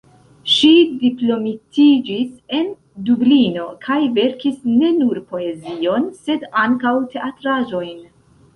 Ŝi diplomitiĝis en Dublino, kaj verkis ne nur poezion, sed ankaŭ teatraĵojn.